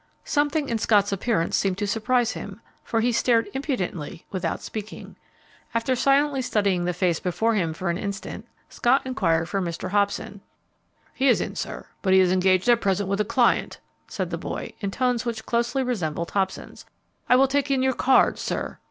Something in Scott's appearance seemed to surprise him, for he stared impudently without speaking. After silently studying the face before him for an instant, Scott inquired for Mr. Hobson. "He is in, sir, but he is engaged at present with a client," said the boy, in tones which closely resembled Hobson's. "I will take in your card, sir."